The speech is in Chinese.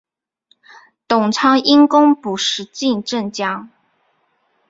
董昌因功补石镜镇将。